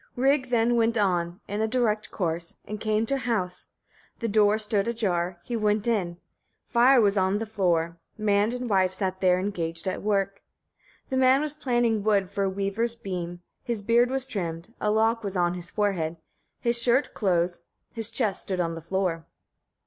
14. Rig then went on, in a direct course, and came to a house; the door stood ajar: he went in; fire was on the floor, man and wife sat there engaged at work. 15. The man was planing wood for a weaver's beam; his beard was trimmed, a lock was on his forehead, his shirt close; his chest stood on the floor.